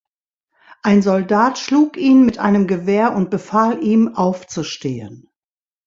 Ein Soldat schlug ihn mit einem Gewehr und befahl ihm aufzustehen.